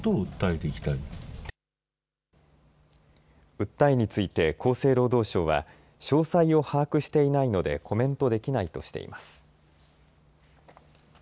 訴えについて厚生労働省は詳細を把握していないのでコメントできないとしています。